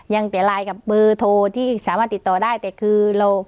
ยังแต่ไลน์กับเบอร์โทรที่สามารถติดต่อได้แต่คือเรา